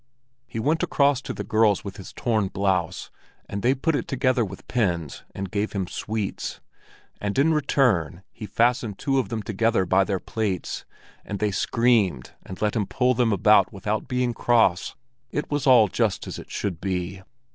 He went across to the girls with his torn blouse, and they put it together with pins and gave him sweets; and in return he fastened two of them together by their plaits, and they screamed and let him pull them about without being cross; it was all just as it should be.